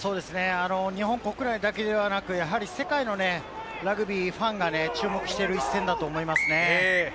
日本国内だけではなく、世界のラグビーファンが注目している一戦だと思いますね。